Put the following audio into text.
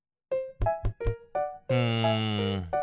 うん。